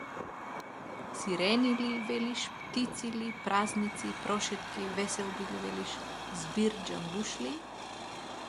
Сирени ли, велиш, птици ли, празници, прошетки, веселби ли велиш, збир џумбушлии?